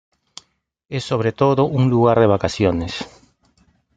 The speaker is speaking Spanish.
Es sobre todo un lugar de vacaciones.